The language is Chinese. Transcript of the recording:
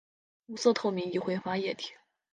无色透明易挥发液体。